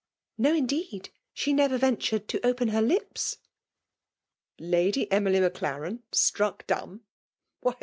'*'' No' 'jndeed ; she nerer Tentnred to open her lips." '' Lady Emily Maclaren struck dumb